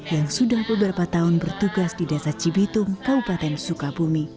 yang sudah beberapa tahun bertugas di desa cibitung kabupaten sukabumi